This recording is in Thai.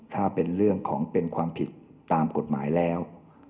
ถ้าเป็นเรื่องของเป็นความผิดตามกฎหมายแล้ว